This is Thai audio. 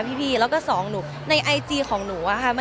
พอเรียนอฟฟิตแบบนี้แล้วเราต้องเปลี่ยนไหมค่ะ